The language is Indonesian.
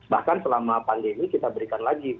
bahkan selama pandemi kita berikan lagi